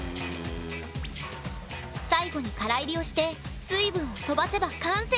最後にからいりをして水分を飛ばせば完成。